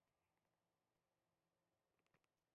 Buni faqat o`qish kerak